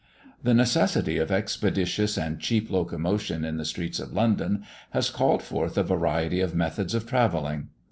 The necessity of expeditious and cheap locomotion in the streets of London has called forth a variety of methods of travelling.